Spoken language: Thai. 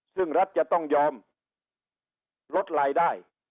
ซึ่งรัฐจะต้องยอมลดรายได้